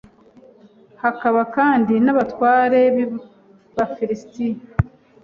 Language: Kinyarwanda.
hakaba kandi n'abatware b'abafilisiti